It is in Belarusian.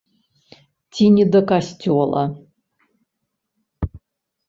Ці не да касцёла.